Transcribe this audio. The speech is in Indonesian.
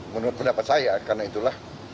menurut pendapat saya karena itulah